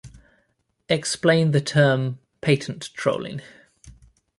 Explain the term patent trolling.